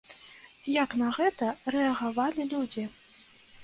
Як на гэта рэагавалі людзі?